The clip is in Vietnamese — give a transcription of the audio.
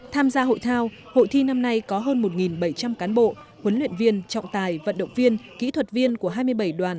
tham gia hội thao hội thi năm nay có hơn một bảy trăm linh cán bộ huấn luyện viên trọng tài vận động viên kỹ thuật viên của hai mươi bảy đoàn